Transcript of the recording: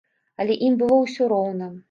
Але ім было ўсё роўна.